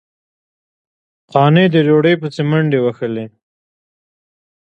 قانع د ډوډۍ پسې منډې وهلې.